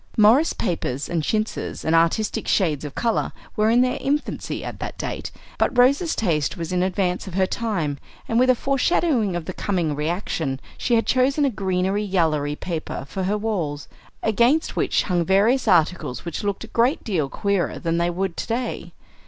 Morris papers and chintzes and "artistic" shades of color were in their infancy at that date; but Rose's taste was in advance of her time, and with a foreshadowing of the coming "reaction," she had chosen a "greenery, yallery" paper for her walls, against which hung various articles which looked a great deal queerer then than they would to day.